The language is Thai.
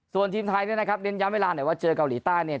ส่วนทีมไทยเนี่ยนะครับเน้นย้ำเวลาหน่อยว่าเจอเกาหลีใต้เนี่ย